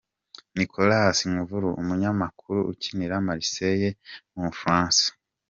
Nicolas N’koulou, umunyakameruni ukinira Marseille mu Bufaransa.